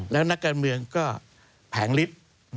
แล้วนักการเมืองก็แผงลิฟต์